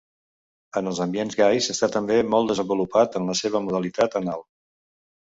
En els ambients gais està també molt desenvolupat en la seva modalitat anal.